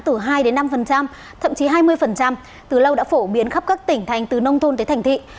từ hai đến năm phần trăm thậm chí hai mươi phần trăm từ lâu đã phổ biến khắp các tỉnh thành từ nông thôn tới thành thị